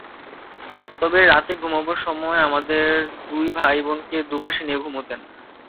তবে রাতে ঘুমুবার সময় আমাদের দুই ভাইবোনকে দুপাশে নিয়ে ঘুমুতেন।